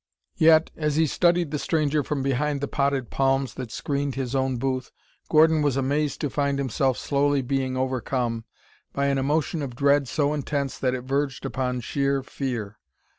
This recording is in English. Yet, as he studied the stranger from behind the potted palms that screened his own booth. Gordon was amazed to find himself slowly being overcome by an emotion of dread so intense that it verged upon sheer fear.